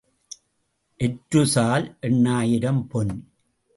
எற்று சால் எண்ணாயிரம் பொன்.